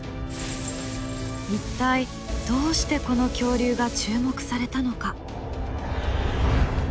一体どうしてこの恐竜が注目されたのか？